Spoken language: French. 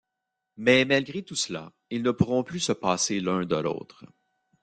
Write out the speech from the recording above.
Mais malgré tout cela, ils ne pourront plus se passer l'un de l'autre.